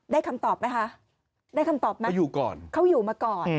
ได้คำตอบไหมคะเค้าอยู่มาก่อน